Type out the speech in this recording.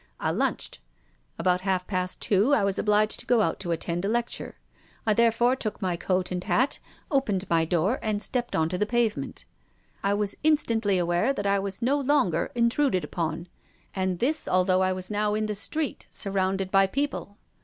I lunched. About half past two I was obliged to go out to attend a lecture. I therefore, took my coat and hat, opened my door, and stepped on to the pavement. I was instantly aware that I was no longer intruded upon, and this although I was now in the street, surrounded by people.